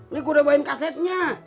nih gua udah bawa kasetnya